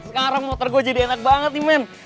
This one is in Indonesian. sekarang motor gue jadi enak banget nih man